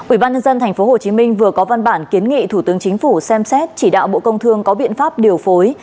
ủy ban nhân dân tp hcm vừa có văn bản kiến nghị thủ tướng chính phủ xem xét chỉ đạo bộ công thương có biện pháp điều phối